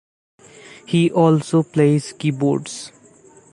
He also plays keyboards.